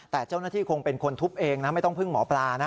แต่เจ้าหน้าที่คงเป็นคนทุบเองนะไม่ต้องพึ่งหมอปลานะ